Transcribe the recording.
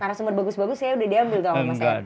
narasumber bagus bagus ya udah diambil dong mas epp